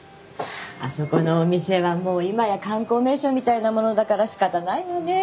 あそこのお店はもう今や観光名所みたいなものだから仕方ないわね。